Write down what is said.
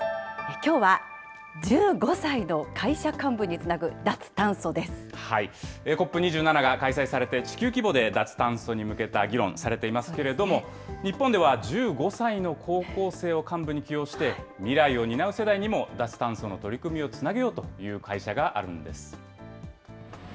きょうは１５歳の会社幹部につなＣＯＰ２７が開催されて、地球規模で脱炭素に向けた議論されていますけれども、日本では１５歳の高校生を幹部に起用して、未来を担う世代にも脱炭素の取り組みをつなげようという会社があるんです。